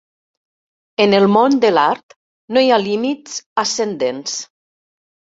En el món de l'art no hi ha límits ascendents.